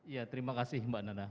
ya terima kasih mbak nana